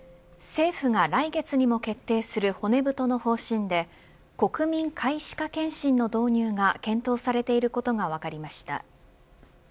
政府が来月にも決定する骨太の方針で国民皆歯科検診の導入が検討されていることが分かりました。